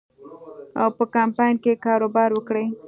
او په کمپاین کې کاروبار وکړي.